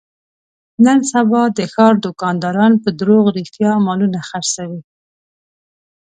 نن سبا د ښاردوکانداران په دروغ رښتیا مالونه خرڅوي.